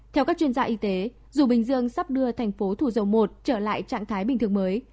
theo các chuyên gia y tế dù bình dương sắp đưa thành phố thủ dầu một trở lại trạng thái bình thường mới